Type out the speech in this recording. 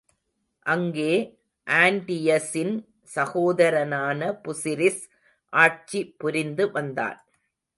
அங்கே ஆன்டியஸின் சகோதரனான புசிரிஸ் ஆட்சி புரிந்து வந்தான்.